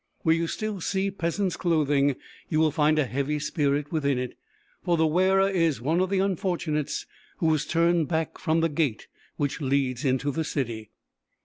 Where you still see peasant's clothing you will find a heavy spirit within it; for the wearer is one of the unfortunates who was turned back from "the gate which leads into the city."